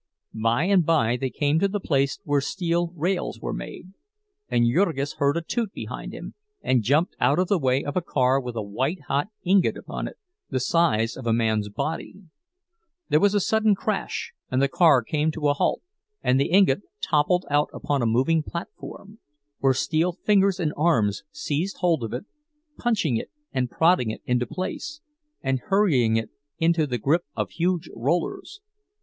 By and by they came to the place where steel rails were made; and Jurgis heard a toot behind him, and jumped out of the way of a car with a white hot ingot upon it, the size of a man's body. There was a sudden crash and the car came to a halt, and the ingot toppled out upon a moving platform, where steel fingers and arms seized hold of it, punching it and prodding it into place, and hurrying it into the grip of huge rollers.